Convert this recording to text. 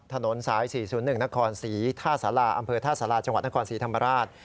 ถนนสาย๔๐๑นครศรีท่าสาราอำเภอท่าสาราจังหวัดนครศรีธรรมราช